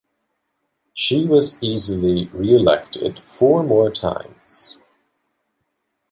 She was easily reelected four more times.